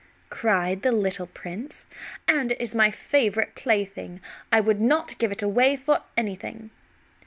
cried the little prince; "and it is my favorite plaything. I would not give it away for anything."